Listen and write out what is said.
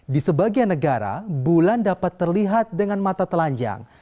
di sebagian negara bulan dapat terlihat dengan mata telanjang